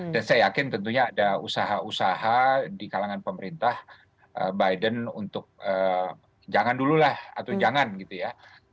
dan saya yakin tentunya ada usaha usaha di kalangan pemerintah biden untuk jangan dulu lah atau jangan gitu ya